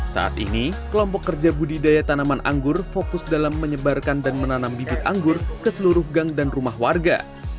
saat ini kelompok kerja budidaya tanaman anggur fokus dalam menyebarkan dan menanam bibit anggur ke seluruh gang dan rumah warga